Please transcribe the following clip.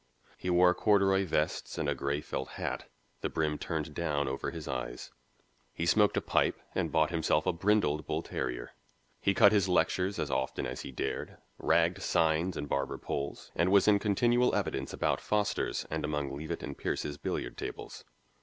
He wore corduroy vests and a gray felt hat, the brim turned down over his eyes. He smoked a pipe and bought himself a brindled bull terrier. He cut his lectures as often as he dared, "ragged" signs and barber poles, and was in continual evidence about Foster's and among Leavitt and Pierce's billiard tables.